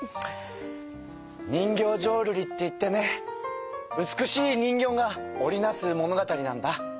人形浄瑠璃っていってね美しい人形が織り成す物語なんだ。